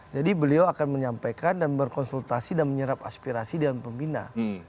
jadi beliau akan menyampaikan dan berkonsultasi dan menyerap aspirasi dewan pembina